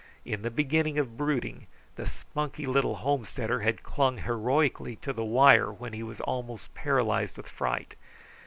In the beginning of brooding, the spunky little homesteader had clung heroically to the wire when he was almost paralyzed with fright.